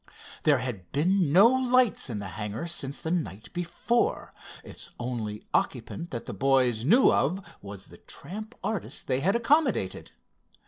There had been no lights in the hangar since the night before, its only occupant that the boys knew of was the tramp artist they had accommodated.